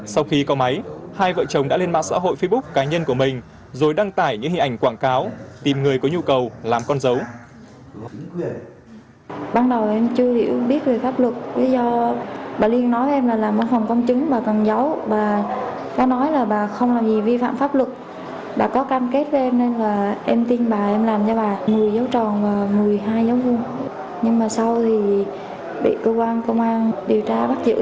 sau khi có máy hai vợ chồng đã lên mạng xã hội facebook cá nhân của mình rồi đăng tải những hình ảnh quảng cáo tìm người có nhu cầu làm con dấu